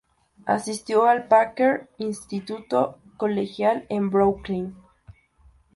Asistió al Packer Instituto Colegial, en Brooklyn.